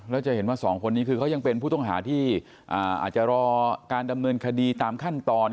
แล้วจะเห็นว่าสองคนนี้คือเขายังเป็นผู้ต้องหาที่อาจจะรอการดำเนินคดีตามขั้นตอน